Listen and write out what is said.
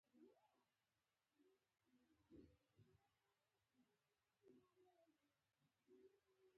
تر زبېښونکو بنسټونو لاندې وده.